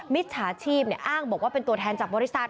มิจฉาชีพอ้างบอกว่าเป็นตัวแทนจากบริษัท